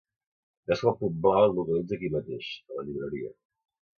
Veus que el punt blau et localitza aquí mateix, a la llibreria.